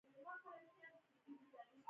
ایران د خاویار تولیدونکی هیواد دی.